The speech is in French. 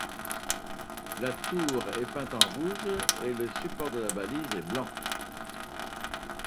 La tour est peinte en rouge et le support de la balise est blanc.